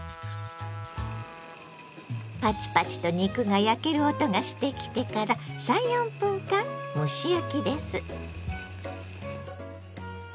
パチパチと肉が焼ける音がしてきてから３４分間蒸し焼きです。